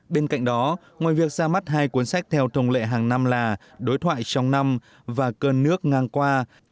bên cạnh đó ngoài việc ra mắt hai cuốn sách theo thông lệ hàng năm là đối thoại trong năm và cơn nước ngang qua